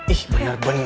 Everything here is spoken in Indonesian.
ih bener bener ya